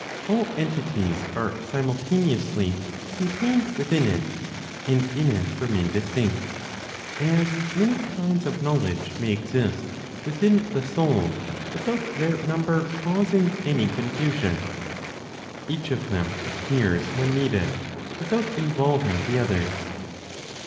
All entities are simultaneously contained within it, and in it remain distinct, as many kinds of knowledge may exist within the soul without their number causing any confusion; each of them appears when needed, without involving the others.